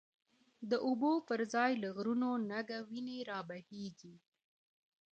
د اوبو پر ځای له غرونو، نګه وینی رابهیږی